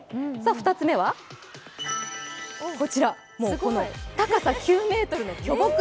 ２つ目は、高さ９ｍの巨木。